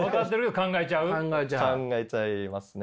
考えちゃいますね。